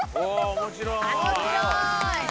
面白い。